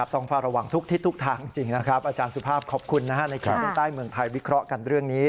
ต้องเฝ้าระวังทุกทิศทุกทางจริงนะครับอาจารย์สุภาพขอบคุณในขีดเส้นใต้เมืองไทยวิเคราะห์กันเรื่องนี้